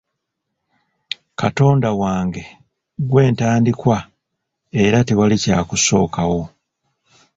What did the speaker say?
Katonda wange Gwe ntandikwa era tewali Kyakusookawo.